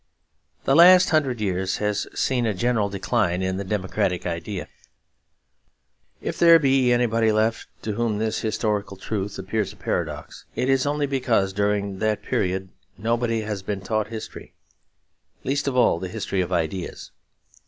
The last hundred years has seen a general decline in the democratic idea. If there be anybody left to whom this historical truth appears a paradox, it is only because during that period nobody has been taught history, least of all the history of ideas.